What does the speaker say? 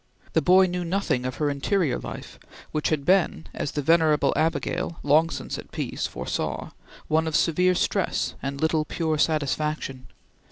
The boy knew nothing of her interior life, which had been, as the venerable Abigail, long since at peace, foresaw, one of severe stress and little pure satisfaction.